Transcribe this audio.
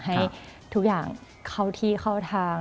ให้ทุกอย่างเข้าที่เข้าทาง